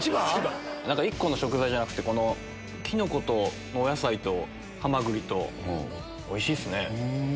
一個の食材じゃなくてキノコとお野菜とハマグリとおいしいっすね。